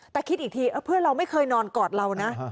แต่คิดอีกทีเพื่อนเราไม่เคยนอนกอดเรานะ